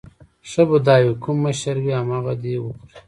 ښه به دا وي کوم مشر وي همغه دې وخوري.